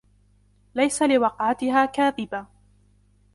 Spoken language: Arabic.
لَيْسَ لِوَقْعَتِهَا كَاذِبَةٌ